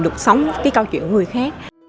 được sống cái câu chuyện của người khác